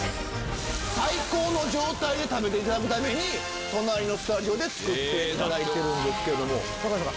最高の状態で食べていただくために隣のスタジオで作っていただいてるんですけども。